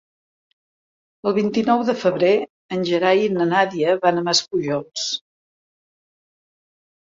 El vint-i-nou de febrer en Gerai i na Nàdia van a Maspujols.